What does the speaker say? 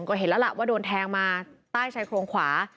ก็เห็นแล้วล่ะว่าโดนแทงมาใต้ชายโครงขวา